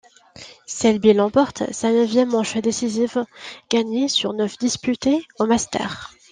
Selby l'emporte, sa neuvième manche décisive gagnée sur neuf disputées aux masters.